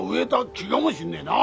木がもしんねえな。